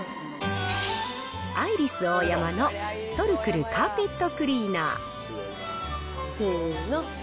アイリスオーヤマのトルクルカーペットクリーナー。